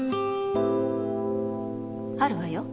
あるわよ。